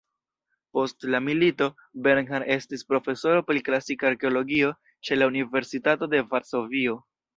Post la milito, Bernhard estis profesoro pri klasika arkeologio ĉe la Universitato de Varsovio.